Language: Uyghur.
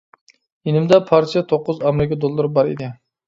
يېنىمدا پارچە توققۇز ئامېرىكا دوللىرى بار ئىدى.